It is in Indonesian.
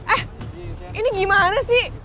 eh ini gimana sih